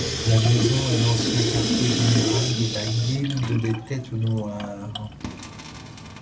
La maison est l'ancien quartier général de la Guilde des Têtes noires.